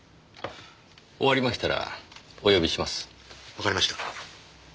わかりました。